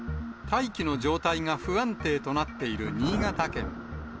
大気の状態が不安定となっている新潟県。